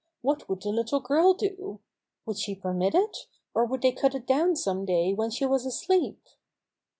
What would the little girl do! Would she permit it, or would they cut it down some day when she was asleep